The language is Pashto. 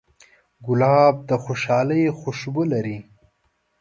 ګلاب د خوشحالۍ خوشبو لري.